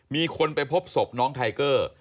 มีคนไปพบศพน้องไทเกอร์